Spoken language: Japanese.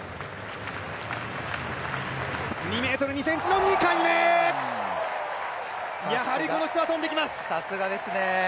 ２ｍ２ｃｍの２回目、やはりこの人は跳んできます。